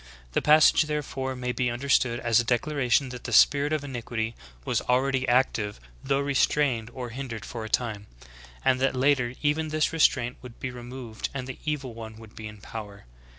"*^ The passage therefore may be understood as a declaration that the spirit of iniquity was already active though restrained or hindered for a time ; and that later even this restraint would be removed and the evil one would be in power.